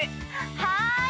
はい！